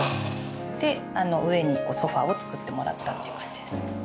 で上にソファを作ってもらったっていう感じです。